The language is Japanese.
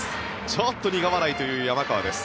ちょっと苦笑いという山川です。